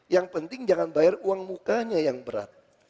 yang penting jangan bayar uang mukanya yang berat